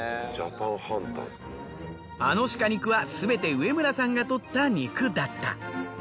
あのシカ肉はすべて植村さんが獲った肉だった。